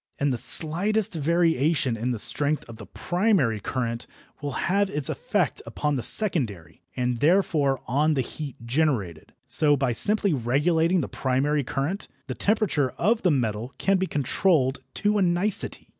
And the slightest variation in the strength of the primary current will have its effect upon the secondary, and therefore on the heat generated. So, by simply regulating the primary current, the temperature of the metal can be controlled to a nicety.